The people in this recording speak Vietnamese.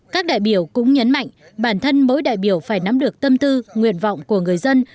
các đại biểu cũng nhấn mạnh bản thân mỗi đại biểu phải nắm được tâm tư nguyện vọng của người dân